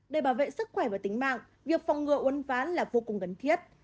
để bảo vệ sức khỏe và tính mạng việc phòng ngừa uấn ván là vô cùng gần thiết